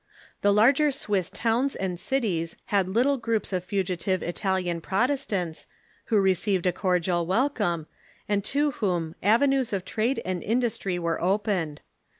The larger Swiss towns and cities had little groups of fugitive Italian Protestants, who received a coi'dial welcome, and to whom avenues of trade and industry were opened.